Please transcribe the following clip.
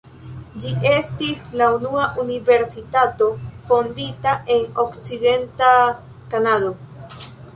Ĝi estis la unua universitato fondita en okcidenta Kanado.